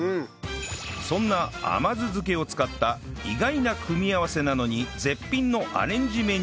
そんな甘酢漬けを使った意外な組み合わせなのに絶品のアレンジメニューが